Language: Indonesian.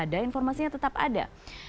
ada informasinya tetap ada